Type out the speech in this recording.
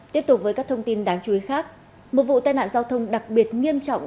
tiếp tục với các thông tin đáng chú ý khác một vụ tai nạn giao thông đặc biệt nghiêm trọng